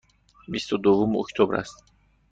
بیست و دوم اکتبر است.